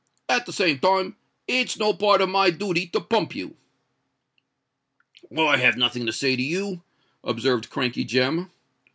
At the same time it's no part of my dooty to pump you." "I have nothing to say to you," observed Crankey Jem.